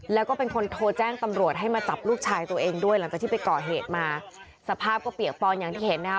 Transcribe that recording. แล้วก็เป็นคนโทรแจ้งตำรวจให้มาจับลูกชายตัวเองด้วยหลังจากที่ไปก่อเหตุมาสภาพก็เปียกปอนอย่างที่เห็นนะคะ